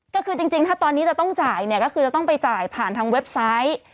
ก็คือจริงถ้าตอนนี้จะต้องจ่ายเนี่ยก็คือจะต้องไปจ่ายผ่านทางเว็บไซต์